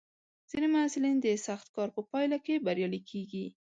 ځینې محصلین د سخت کار په پایله کې بریالي کېږي.